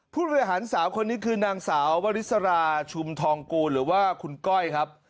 ผู้บริหารสาวคนนี้คือนางสาววริสราชุมทองกูลหรือว่าคุณก้อยครับ